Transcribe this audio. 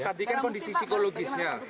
tadi kan kondisi psikologis ya